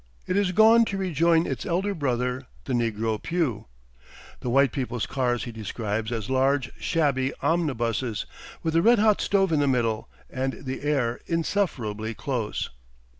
It is gone to rejoin its elder brother, the negro pew. The white people's cars he describes as "large, shabby omnibuses," with a red hot stove in the middle, and the air insufferably close.